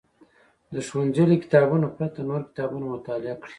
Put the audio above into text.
د ښوونځي له کتابونو پرته نور کتابونه مطالعه کړي.